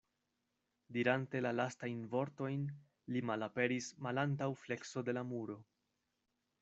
Dirante la lastajn vortojn, li malaperis malantaŭ flekso de la muro.